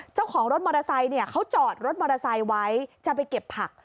เจ้าของรถมอเตอร์ไซค์เนี่ยเขาจอดรถมอเตอร์ไซค์ไว้จะไปเก็บผัก